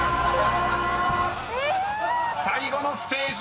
［最後のステージ